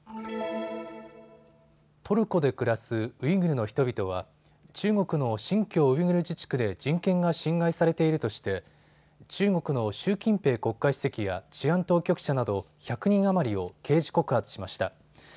トルコで暮らすウイグルの人々は中国の新疆ウイグル自治区で人権が侵害されているとして中国の習近平国家主席や治安当局者など１００人余りを刑事告発しました。